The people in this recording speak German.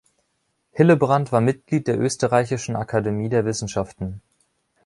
Hillebrand war Mitglied der Österreichischen Akademie der Wissenschaften.